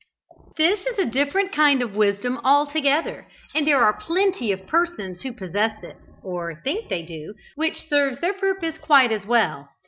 This is a different kind of wisdom altogether, and there are plenty of persons who possess it, or think they do, which serves their purpose quite as well.